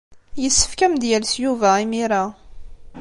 Yessefk ad am-d-yales Yuba imir-a.